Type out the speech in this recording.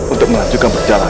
untuk melanjutkan perjalanan